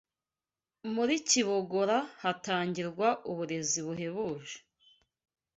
muri Kibogora hatangirwa uburezi buhebuje